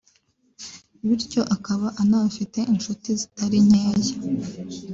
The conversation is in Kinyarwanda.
bityo akaba anahafite incuti zitari nkeya